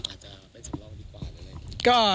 อาจจะเป็นสำรองดีกว่าหรืออะไร